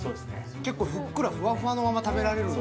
結構ふっくらふわふわのまま食べられる。